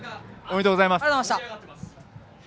おめでとうございます。